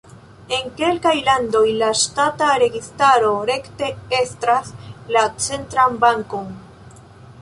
En kelkaj landoj la ŝtata registaro rekte estras la centran bankon.